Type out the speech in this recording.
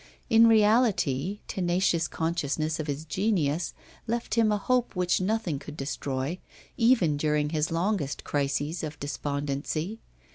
In reality, tenacious consciousness of his genius left him a hope which nothing could destroy, even during his longest crises of despondency.